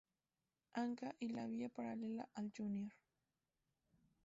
Anca y la vía paralela al Jr.